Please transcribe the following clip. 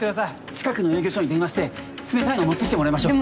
近くの営業所に電話して冷たいの持ってきてもらいましょう。